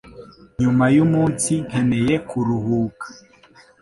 Nyuma yumunsi nkeneye kuruhuka